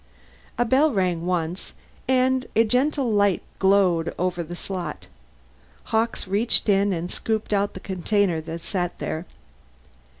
A bell rang, once, and a gentle red light glowed over the slot. Hawkes reached in and scooped out the container that sat there.